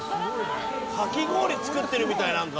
かき氷作ってるみたいなんか。